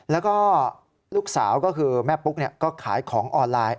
แล้วก็ลูกสาวก็คือแม่ปุ๊กก็ขายของออนไลน์